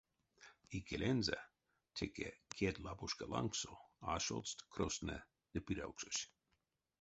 Икелензэ, теке кедьлапушка лангсо, ашолдсть крёстнэ ды пирявксось.